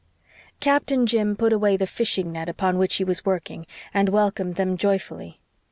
Captain Jim put away the fishing net upon which he was working, and welcomed them joyfully.